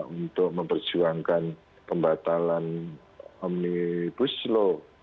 untuk memperjuangkan pembatalan omnibus law